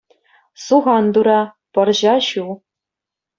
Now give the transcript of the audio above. Сухан тура, пӑрҫа ҫу.